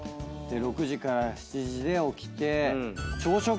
６時から７時で起きて朝食。